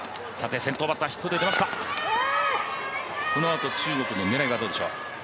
このあと中国の狙いはどうでしょう。